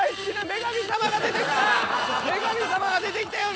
女神様が出てきたよ！